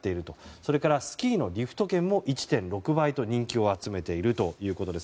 それからスキーのリフト券も１．６倍と人気を集めているということです。